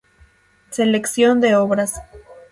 Selección de obras